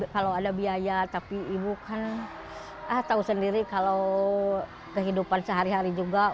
kalau ada biaya tapi ibu kan tahu sendiri kalau kehidupan sehari hari juga